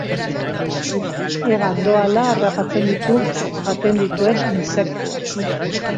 Hegan doala harrapatzen ditu jaten dituen intsektuak.